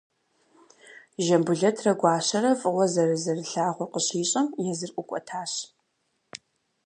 Жамбулэтрэ Гуащэрэ фӏыуэ зэрызэрылъагъур къыщищӏэм, езыр ӏукӏуэтащ.